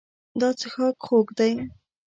دا څښاک خوږ دی.